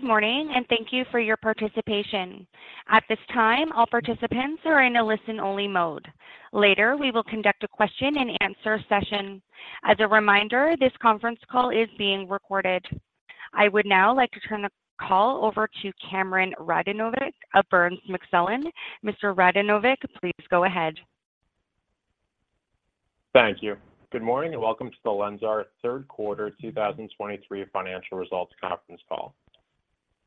Good morning, and thank you for your participation. At this time, all participants are in a listen-only mode. Later, we will conduct a question-and-answer session. As a reminder, this conference call is being recorded. I would now like to turn the call over to Cameron Radinovic of Burns McClellan. Mr. Radinovic, please go ahead. Thank you. Good morning, and welcome to the LENSAR Third Quarter 2023 Financial Results Conference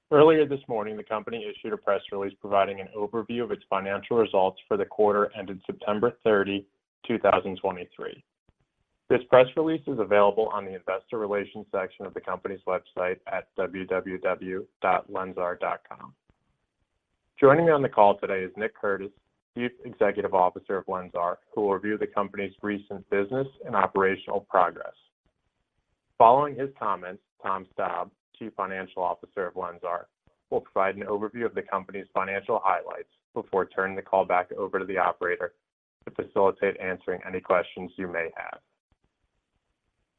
Call. Earlier this morning, the company issued a press release providing an overview of its financial results for the quarter ended September 30, 2023. This press release is available on the Investor Relations section of the company's website at www.lensar.com. Joining me on the call today is Nick Curtis, Chief Executive Officer of LENSAR, who will review the company's recent business and operational progress. Following his comments, Tom Staab, Chief Financial Officer of LENSAR, will provide an overview of the company's financial highlights before turning the call back over to the operator to facilitate answering any questions you may have.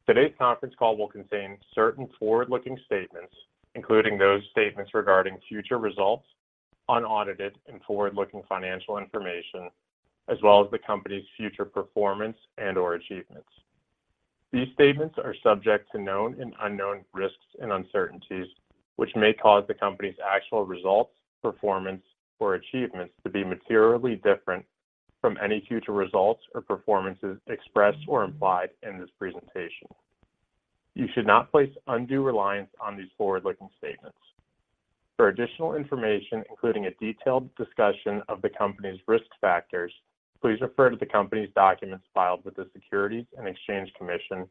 Today's conference call will contain certain forward-looking statements, including those statements regarding future results, unaudited and forward-looking financial information, as well as the company's future performance and/or achievements. These statements are subject to known and unknown risks and uncertainties, which may cause the company's actual results, performance, or achievements to be materially different from any future results or performances expressed or implied in this presentation. You should not place undue reliance on these forward-looking statements. For additional information, including a detailed discussion of the company's risk factors, please refer to the company's documents filed with the Securities and Exchange Commission,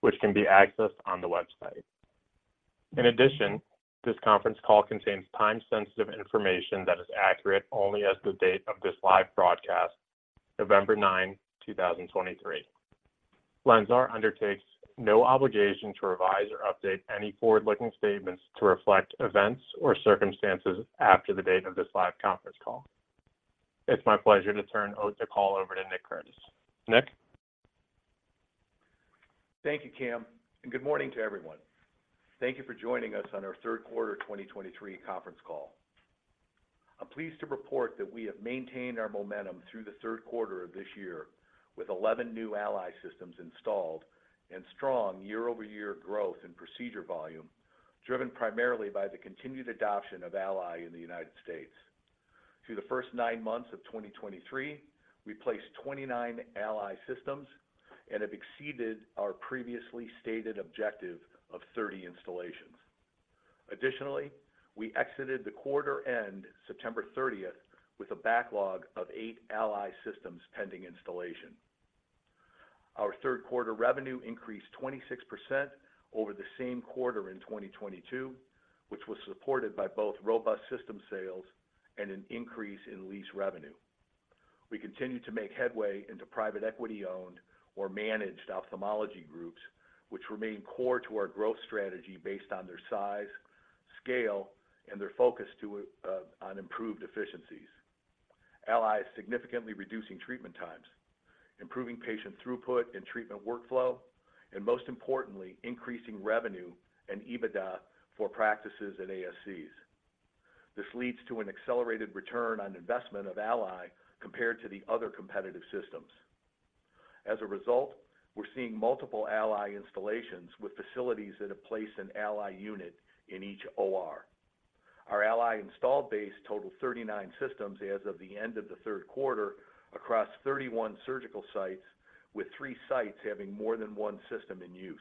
which can be accessed on the website. In addition, this conference call contains time-sensitive information that is accurate only as of the date of this live broadcast, November 9, 2023. LENSAR undertakes no obligation to revise or update any forward-looking statements to reflect events or circumstances after the date of this live conference call. It's my pleasure to turn the call over to Nick Curtis. Nick? Thank you, Cam, and good morning to everyone. Thank you for joining us on our Third Quarter 2023 Conference Call. I'm pleased to report that we have maintained our momentum through the third quarter of this year with 11 new ALLY systems installed and strong year-over-year growth in procedure volume, driven primarily by the continued adoption of ALLY in the U.S. Through the first nine months of 2023, we placed 29 ALLY systems and have exceeded our previously stated objective of 30 installations. Additionally, we exited the quarter end September 30th, with a backlog of eight ALLY systems pending installation. Our third quarter revenue increased 26% over the same quarter in 2022, which was supported by both robust system sales and an increase in lease revenue. We continued to make headway into private equity-owned or managed ophthalmology groups, which remain core to our growth strategy based on their size, scale, and their focus to on improved efficiencies. ALLY is significantly reducing treatment times, improving patient throughput and treatment workflow, and most importantly, increasing revenue and EBITDA for practices at ASCs. This leads to an accelerated return on investment of ALLY compared to the other competitive systems. As a result, we're seeing multiple ALLY installations with facilities that have placed an ALLY unit in each OR. Our ALLY installed base totals 39 systems as of the end of the third quarter across 31 surgical sites, with three sites having more than one system in use.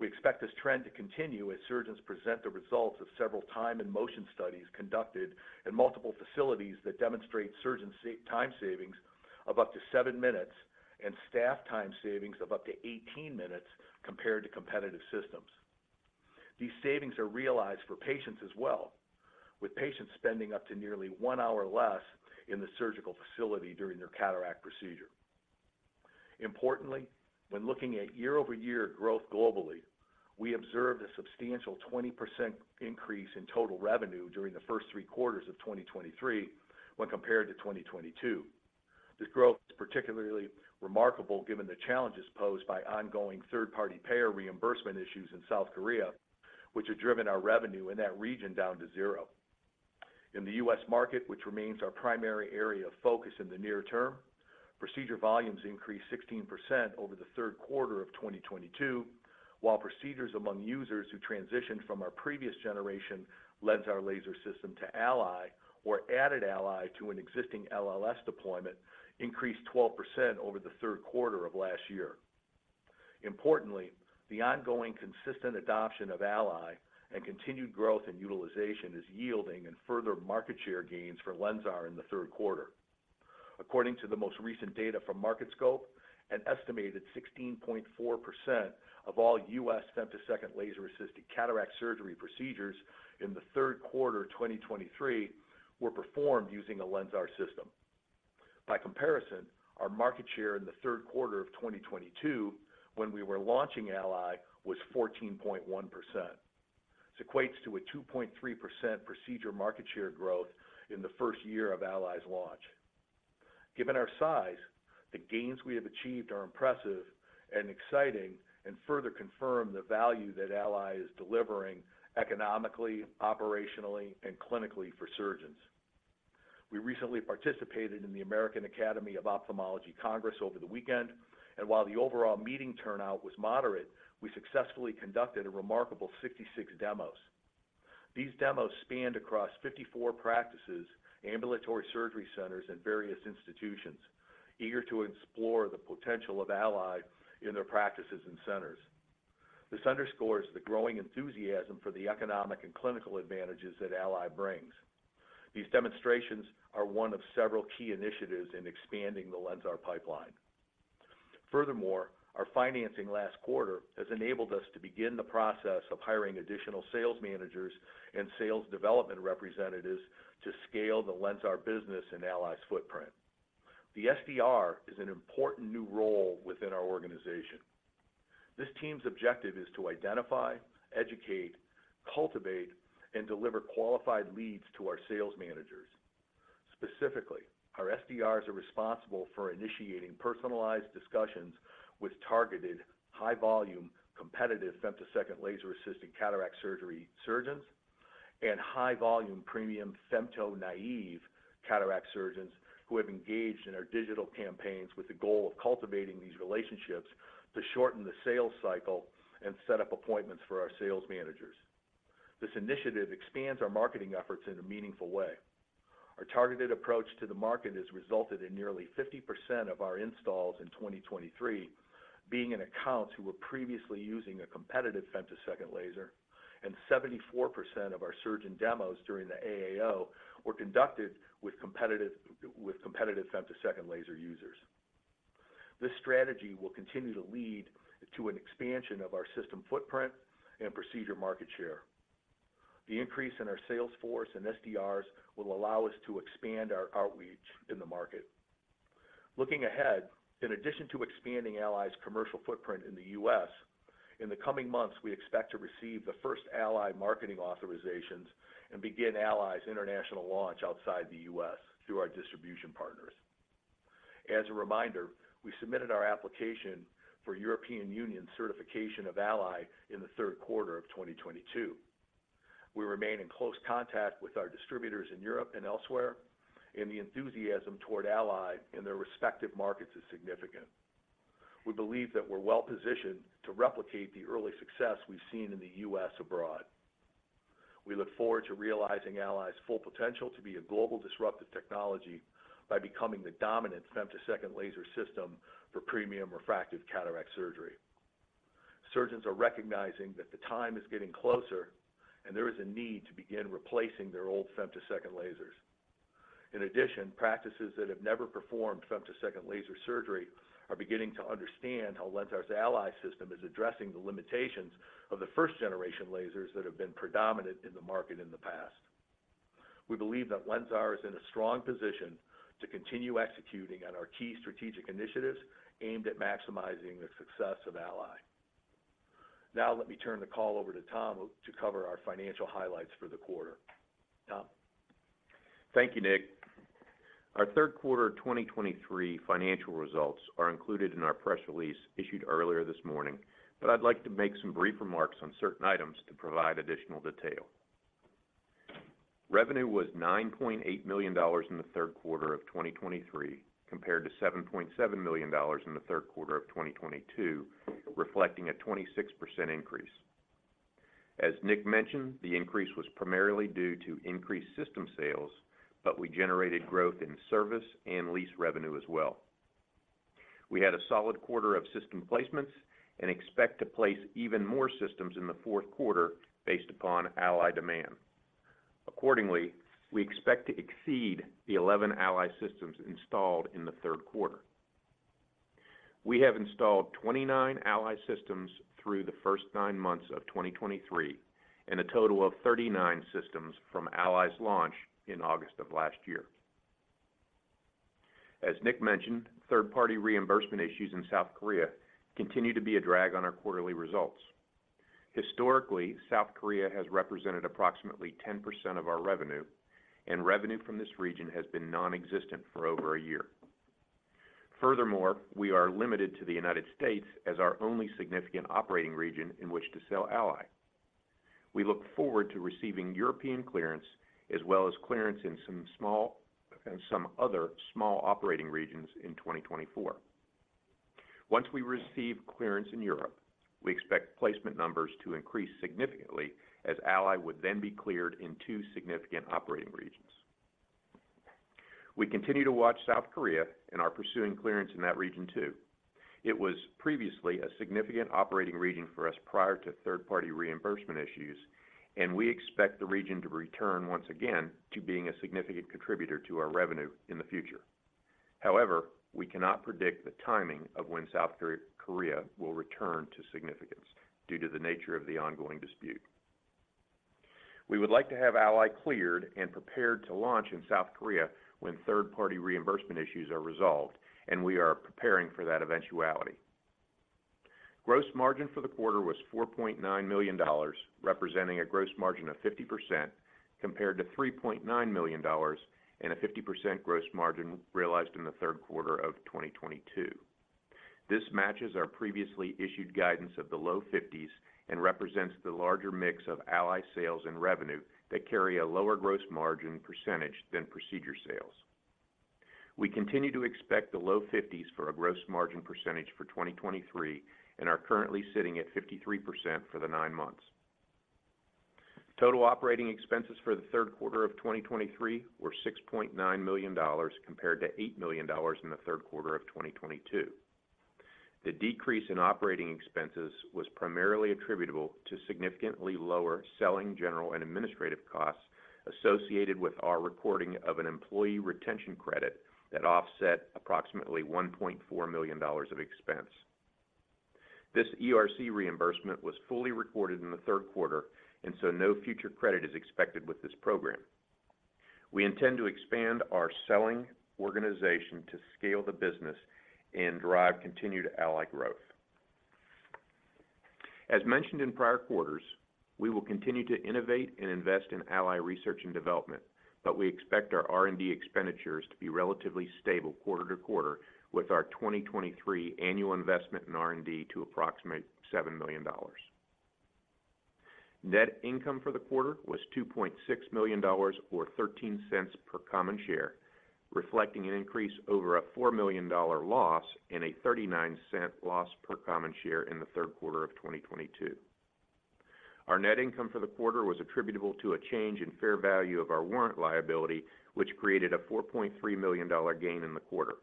We expect this trend to continue as surgeons present the results of several time and motion studies conducted in multiple facilities that demonstrate surgeon's time savings of up to seven minutes and staff time savings of up to 18 minutes compared to competitive systems. These savings are realized for patients as well, with patients spending up to nearly 1 hour less in the surgical facility during their cataract procedure. Importantly, when looking at year-over-year growth globally, we observed a substantial 20% increase in total revenue during the first three quarters of 2023 when compared to 2022. This growth is particularly remarkable given the challenges posed by ongoing third-party payer reimbursement issues in South Korea, which have driven our revenue in that region down to zero. In the U.S. market, which remains our primary area of focus in the near term, procedure volumes increased 16% over the third quarter of 2022, while procedures among users who transitioned from our previous generation LENSAR laser system to ALLY or added ALLY to an existing LLS deployment increased 12% over the third quarter of last year. Importantly, the ongoing consistent adoption of ALLY and continued growth in utilization is yielding in further market share gains for LENSAR in the third quarter. According to the most recent data from Market Scope, an estimated 16.4% of all U.S. femtosecond laser-assisted cataract surgery procedures in the third quarter of 2023 were performed using a LENSAR system. By comparison, our market share in the third quarter of 2022, when we were launching ALLY, was 14.1%. This equates to a 2.3% procedure market share growth in the first year of ALLY's launch. Given our size, the gains we have achieved are impressive and exciting and further confirm the value that ALLY is delivering economically, operationally, and clinically for surgeons. We recently participated in the American Academy of Ophthalmology Congress over the weekend, and while the overall meeting turnout was moderate, we successfully conducted a remarkable 66 demos. These demos spanned across 54 practices, ambulatory surgery centers, and various institutions, eager to explore the potential of ALLY in their practices and centers. This underscores the growing enthusiasm for the economic and clinical advantages that ALLY brings. These demonstrations are one of several key initiatives in expanding the LENSAR pipeline. Furthermore, our financing last quarter has enabled us to begin the process of hiring additional sales managers and sales development representatives to scale the LENSAR business and ALLY's footprint. The SDR is an important new role within our organization. This team's objective is to identify, educate, cultivate, and deliver qualified leads to our sales managers. Specifically, our SDRs are responsible for initiating personalized discussions with targeted high-volume, competitive femtosecond laser-assisted cataract surgery surgeons and high-volume premium femto-naive cataract surgeons who have engaged in our digital campaigns with the goal of cultivating these relationships to shorten the sales cycle and set up appointments for our sales managers. This initiative expands our marketing efforts in a meaningful way. Our targeted approach to the market has resulted in nearly 50% of our installs in 2023 being in accounts who were previously using a competitive femtosecond laser, and 74% of our surgeon demos during the AAO were conducted with competitive femtosecond laser users. This strategy will continue to lead to an expansion of our system footprint and procedure market share. The increase in our sales force and SDRs will allow us to expand our outreach in the market. Looking ahead, in addition to expanding ALLY's commercial footprint in the U.S., in the coming months, we expect to receive the first ALLY marketing authorizations and begin ALLY's international launch outside the U.S. through our distribution partners. As a reminder, we submitted our application for European Union certification of ALLY in the third quarter of 2022. We remain in close contact with our distributors in Europe and elsewhere, and the enthusiasm toward ALLY in their respective markets is significant. We believe that we're well-positioned to replicate the early success we've seen in the U.S. abroad. We look forward to realizing ALLY's full potential to be a global disruptive technology by becoming the dominant femtosecond laser system for premium refractive cataract surgery. Surgeons are recognizing that the time is getting closer, and there is a need to begin replacing their old femtosecond lasers. In addition, practices that have never performed femtosecond laser surgery are beginning to understand how LENSAR ALLY system is addressing the limitations of the first-generation lasers that have been predominant in the market in the past. We believe that LENSAR is in a strong position to continue executing on our key strategic initiatives aimed at maximizing the success of ALLY. Now, let me turn the call over to Tom to cover our financial highlights for the quarter. Tom? Thank you, Nick. Our third quarter 2023 financial results are included in our press release issued earlier this morning, but I'd like to make some brief remarks on certain items to provide additional detail. Revenue was $9.8 million in the third quarter of 2023, compared to $7.7 million in the third quarter of 2022, reflecting a 26% increase. As Nick mentioned, the increase was primarily due to increased system sales, but we generated growth in service and lease revenue as well. We had a solid quarter of system placements and expect to place even more systems in the fourth quarter based upon ALLY demand. Accordingly, we expect to exceed the 11 ALLY systems installed in the third quarter. We have installed 29 ALLY systems through the first nine months of 2023, and a total of 39 systems from ALLY's launch in August of last year. As Nick mentioned, third-party reimbursement issues in South Korea continue to be a drag on our quarterly results. Historically, South Korea has represented approximately 10% of our revenue, and revenue from this region has been non-existent for over a year. Furthermore, we are limited to the United States as our only significant operating region in which to sell ALLY. We look forward to receiving European clearance, as well as clearance in some other small operating regions in 2024. Once we receive clearance in Europe, we expect placement numbers to increase significantly as ALLY would then be cleared in two significant operating regions. We continue to watch South Korea and are pursuing clearance in that region, too. It was previously a significant operating region for us prior to third-party reimbursement issues, and we expect the region to return once again to being a significant contributor to our revenue in the future. However, we cannot predict the timing of when South Korea will return to significance due to the nature of the ongoing dispute. We would like to have ALLY cleared and prepared to launch in South Korea when third-party reimbursement issues are resolved, and we are preparing for that eventuality. Gross margin for the quarter was $4.9 million, representing a gross margin of 50%, compared to $3.9 million and a 50% gross margin realized in the third quarter of 2022. This matches our previously issued guidance of the low 50s and represents the larger mix of ALLY sales and revenue that carry a lower gross margin percentage than procedure sales. We continue to expect the low 50s for a gross margin percentage for 2023, and are currently sitting at 53% for the nine months. Total operating expenses for the third quarter of 2023 were $6.9 million, compared to $8 million in the third quarter of 2022. The decrease in operating expenses was primarily attributable to significantly lower selling, general, and administrative costs associated with our recording of an Employee Retention Credit that offset approximately $1.4 million of expense. This ERC reimbursement was fully recorded in the third quarter, and so no future credit is expected with this program. We intend to expand our selling organization to scale the business and drive continued ALLY growth. As mentioned in prior quarters, we will continue to innovate and invest in ALLY research and development, but we expect our R&D expenditures to be relatively stable quarter-to-quarter, with our 2023 annual investment in R&D to approximate $7 million. Net income for the quarter was $2.6 million, or $0.13 per common share, reflecting an increase over a $4 million loss and a $0.39 loss per common share in the third quarter of 2022. Our net income for the quarter was attributable to a change in fair value of our warrant liability, which created a $4.3 million gain in the quarter.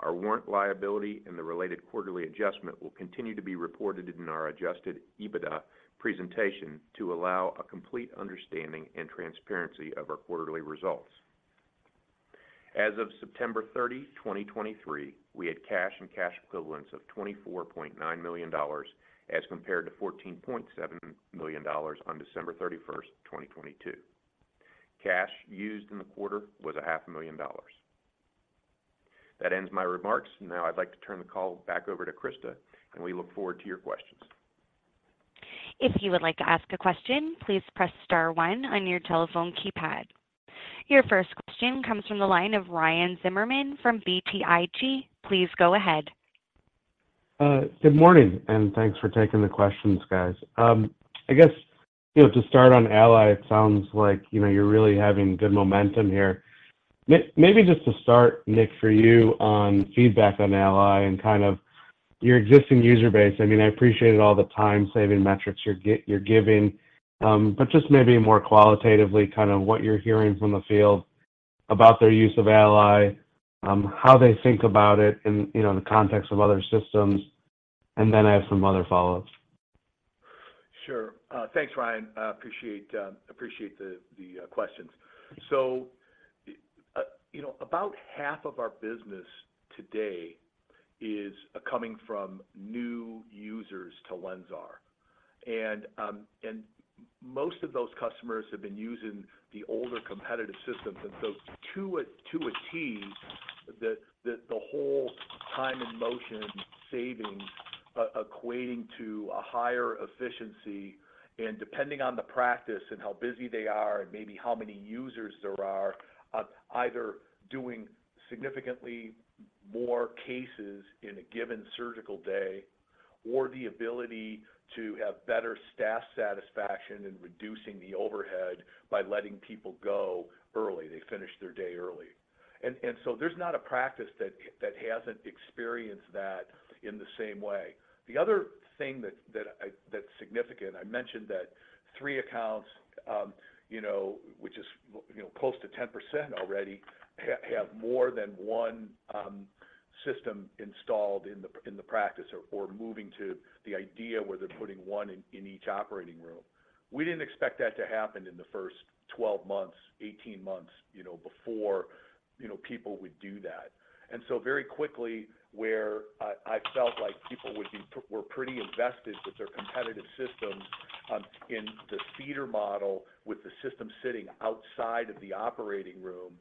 Our warrant liability and the related quarterly adjustment will continue to be reported in our Adjusted EBITDA presentation to allow a complete understanding and transparency of our quarterly results. As of September 30, 2023, we had cash and cash equivalents of $24.9 million, as compared to $14.7 million on December 31st, 2022. Cash used in the quarter was $500,000. That ends my remarks. Now I'd like to turn the call back over to Krista, and we look forward to your questions. If you would like to ask a question, please press star one on your telephone keypad. Your first question comes from the line of Ryan Zimmerman from BTIG. Please go ahead. Good morning, and thanks for taking the questions, guys. I guess, you know, to start on ALLY, it sounds like, you know, you're really having good momentum here. Maybe just to start, Nick, for you on feedback on ALLY and kind of your existing user base. I mean, I appreciate all the time-saving metrics you're giving, but just maybe more qualitatively, kind of what you're hearing from the field about their use of ALLY, how they think about it in, you know, the context of other systems. And then I have some other follow-ups. Sure. Thanks, Ryan. I appreciate the questions. So, you know, about half of our business today is coming from new users to LENSAR. And most of those customers have been using the older competitive systems. And so to a T, the whole time and motion savings equating to a higher efficiency, and depending on the practice and how busy they are and maybe how many users there are, either doing significantly more cases in a given surgical day, or the ability to have better staff satisfaction in reducing the overhead by letting people go early, they finish their day early. And so there's not a practice that hasn't experienced that in the same way. The other thing that's significant, I mentioned that three accounts, you know, which is, you know, close to 10% already, have more than one system installed in the practice or moving to the idea where they're putting one in each operating room. We didn't expect that to happen in the first 12 months, 18 months, you know, before, you know, people would do that. And so very quickly, where I felt like people would be—were pretty invested with their competitive systems in the feeder model, with the system sitting outside of the operating room,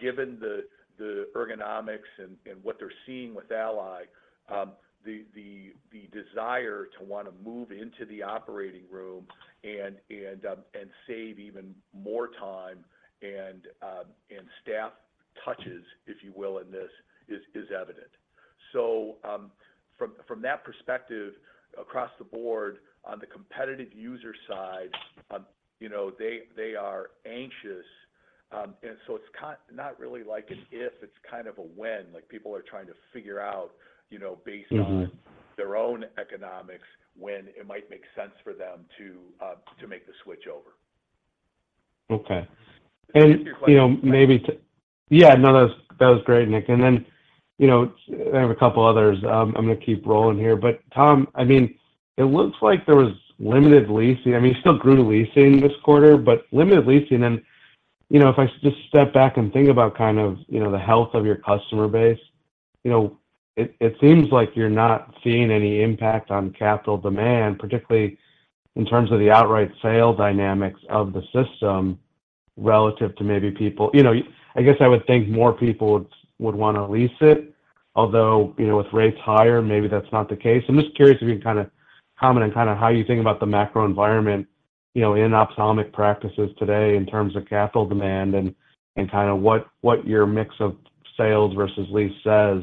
given the ergonomics and what they're seeing with ALLY, the desire to want to move into the operating room and save even more time and staff touches, if you will, in this is evident. So, from that perspective, across the board on the competitive user side, you know, they are anxious. And so it's kind... not really like an if, it's kind of a when. Like, people are trying to figure out, you know, based on- Mm-hmm... their own economics, when it might make sense for them to make the switch over. Okay. Any other questions? You know, maybe to-- Yeah, no, that was, that was great, Nick. And then, you know, I have a couple others. I'm going to keep rolling here. But Tom, I mean, it looks like there was limited leasing. I mean, you still grew leasing this quarter, but limited leasing. And, you know, if I just step back and think about kind of, you know, the health of your customer base, you know, it, it seems like you're not seeing any impact on capital demand, particularly in terms of the outright sale dynamics of the system... relative to maybe people, you know, I guess I would think more people would, would want to lease it, although, you know, with rates higher, maybe that's not the case. I'm just curious if you can kind of comment on kind of how you think about the macro environment, you know, in ophthalmic practices today in terms of capital demand and, and kind of what, what your mix of sales versus lease says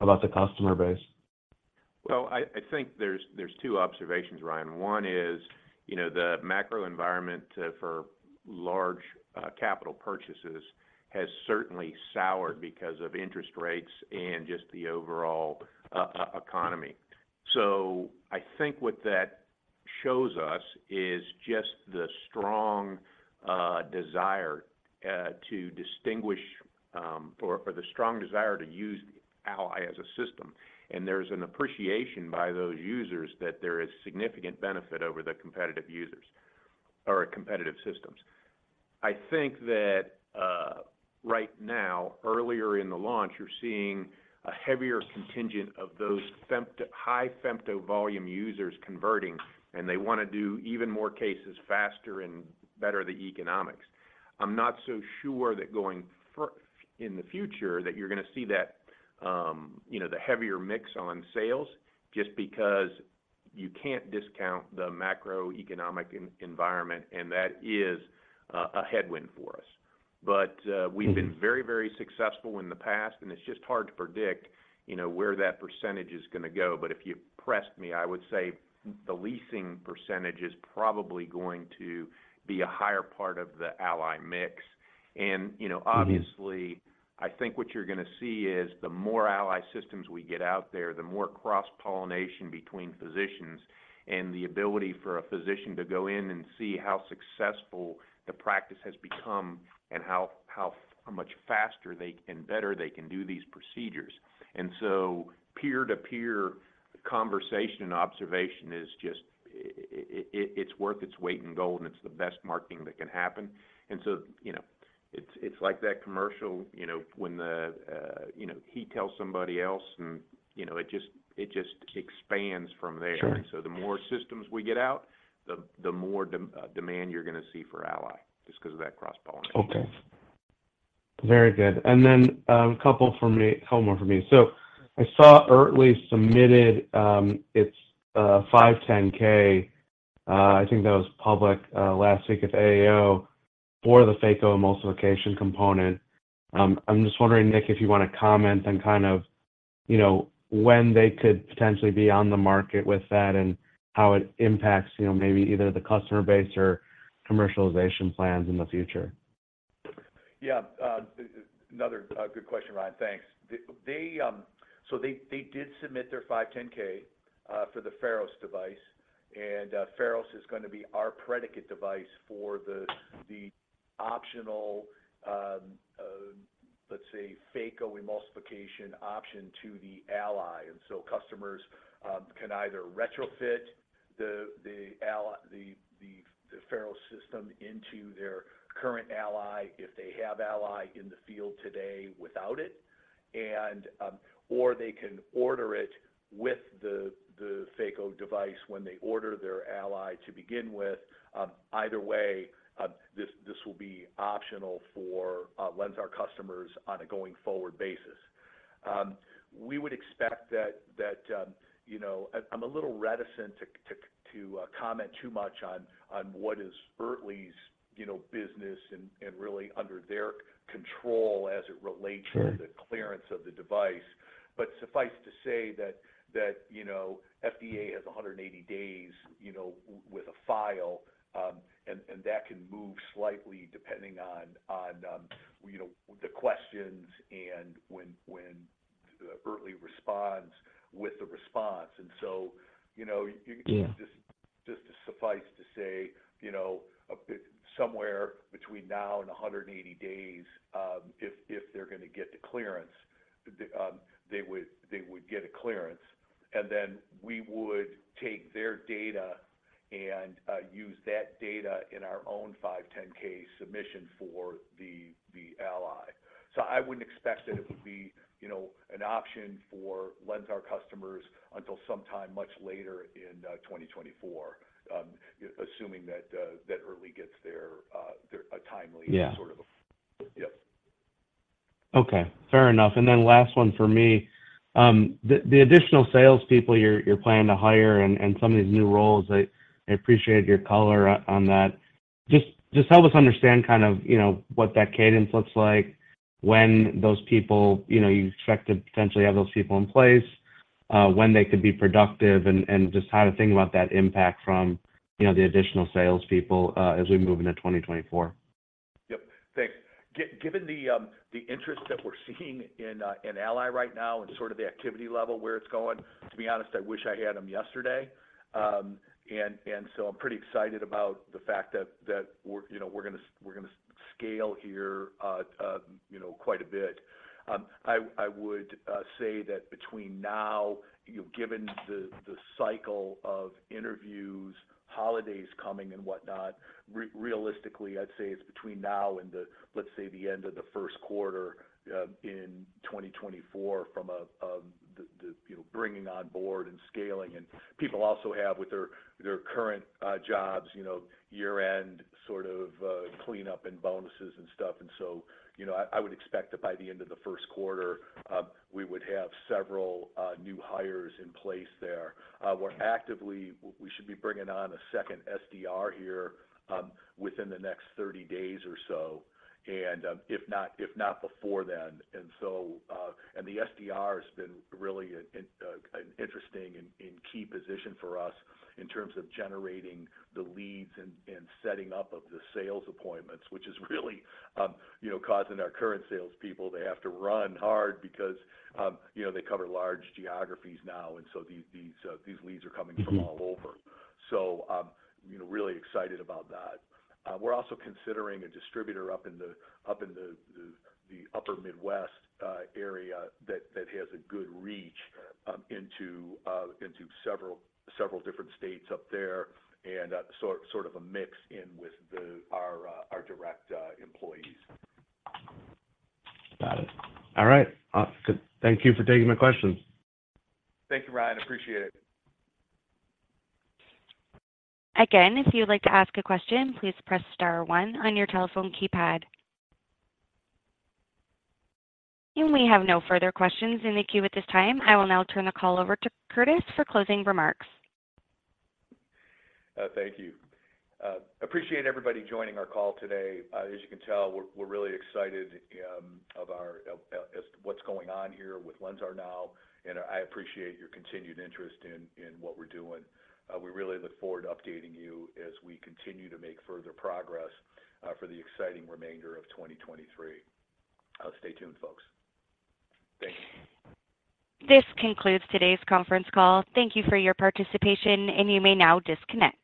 about the customer base. Well, I think there's two observations, Ryan. One is, you know, the macro environment for large capital purchases has certainly soured because of interest rates and just the overall economy. So I think what that shows us is just the strong desire to use ALLY as a system. And there's an appreciation by those users that there is significant benefit over the competitive users or competitive systems. I think that, right now, earlier in the launch, you're seeing a heavier contingent of those high femto volume users converting, and they want to do even more cases faster and better the economics. I'm not so sure that in the future, that you're going to see that, you know, the heavier mix on sales, just because you can't discount the macroeconomic environment, and that is a headwind for us. But we've been very, very successful in the past, and it's just hard to predict, you know, where that percentage is going to go. But if you pressed me, I would say the leasing percentage is probably going to be a higher part of the ALLY mix. And, you know, obviously, I think what you're going to see is the more ALLY systems we get out there, the more cross-pollination between physicians and the ability for a physician to go in and see how successful the practice has become and how much faster and better they can do these procedures. And so peer-to-peer conversation and observation is just, it's worth its weight in gold, and it's the best marketing that can happen. And so, you know, it's, it's like that commercial, you know, when the, you know, he tells somebody else and, you know, it just, it just expands from there. Sure. And so the more systems we get out, the more demand you're going to see for ALLY, just because of that cross-pollination. Okay. Very good. And then, a couple for me, a couple more for me. So I saw Oertli submitted its 510(k), I think that was public, last week at AAO, for the phacoemulsification component. I'm just wondering, Nick, if you want to comment on kind of, you know, when they could potentially be on the market with that and how it impacts, you know, maybe either the customer base or commercialization plans in the future. Yeah, another good question, Ryan. Thanks. They did submit their 510(k) for the Faros device, and Faros is going to be our predicate device for the optional, let's say, phacoemulsification option to the ALLY. And so customers can either retrofit the ALLY, the Faros system into their current ALLY, if they have ALLY in the field today without it, and or they can order it with the phaco device when they order their ALLY to begin with. Either way, this will be optional for LENSAR customers on a going-forward basis. We would expect that... You know, I'm a little reticent to comment too much on what is Oertli's, you know, business and really under their control as it relates- Sure... to the clearance of the device. But suffice to say that, you know, FDA has 180 days, you know, with a file, and that can move slightly depending on, you know, the questions and when Oertli responds with the response. And so, you know, you- Yeah... just to suffice to say, you know, a bit somewhere between now and 180 days, if they're going to get the clearance, they would get a clearance, and then we would take their data and use that data in our own 510(k) submission for the ALLY. So I wouldn't expect that it would be, you know, an option for LENSAR customers until sometime much later in 2024, assuming that Oertli gets their a timely- Yeah... sort of, yep. Okay, fair enough. And then last one for me. The additional salespeople you're planning to hire and some of these new roles, I appreciate your color on that. Just help us understand kind of, you know, what that cadence looks like, when those people, you know, you expect to potentially have those people in place, when they could be productive, and just how to think about that impact from, you know, the additional salespeople, as we move into 2024. Yep, thanks. Given the interest that we're seeing in ALLY right now and sort of the activity level, where it's going, to be honest, I wish I had them yesterday. And so I'm pretty excited about the fact that we're, you know, we're gonna scale here, you know, quite a bit. I would say that between now, you know, given the cycle of interviews, holidays coming and whatnot, realistically, I'd say it's between now and, let's say, the end of the first quarter in 2024, from, you know, bringing on board and scaling. And people also have with their current jobs, you know, year-end sort of cleanup and bonuses and stuff. you know, I would expect that by the end of the first quarter, we would have several new hires in place there. We should be bringing on a second SDR here, within the next 30 days or so. ... and, if not before then. And so, and the SDR has been really an interesting and key position for us in terms of generating the leads and setting up of the sales appointments, which is really, you know, causing our current sales people, they have to run hard because, you know, they cover large geographies now, and so these leads are coming from all over. So, you know, really excited about that. We're also considering a distributor up in the upper Midwest area that has a good reach into several different states up there, and sort of a mix in with our direct employees. Got it. All right. Good. Thank you for taking my questions. Thank you, Ryan. Appreciate it. Again, if you'd like to ask a question, please press star one on your telephone keypad. We have no further questions in the queue at this time. I will now turn the call over to Curtis for closing remarks. Thank you. Appreciate everybody joining our call today. As you can tell, we're really excited as to what's going on here with LENSAR now, and I appreciate your continued interest in what we're doing. We really look forward to updating you as we continue to make further progress for the exciting remainder of 2023. Stay tuned, folks. Thank you. This concludes today's conference call. Thank you for your participation, and you may now disconnect.